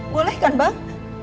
boleh kan bang